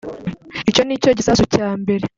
Icyo ni cyo gisasu cya mbere